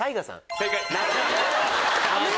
正解！